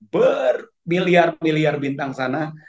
bermiliar miliar bintang sana